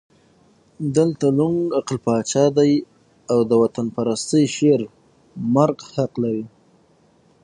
دلته ړوند عقل پاچا دی او د وطنپرستۍ شعر مرګ حق لري.